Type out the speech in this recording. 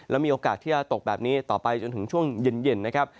และมีโอกาสที่จะตกแบบนี้ต่อไปจนถึงช่วงเย็นนะครับ